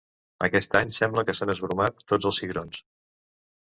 Aquest any sembla que s'han esbromat tots els cigrons.